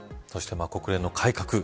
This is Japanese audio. そして、国連の改革